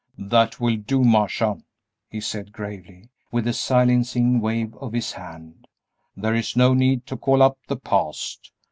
"That will do, Marcia," he said, gravely, with a silencing wave of his hand; "there is no need to call up the past.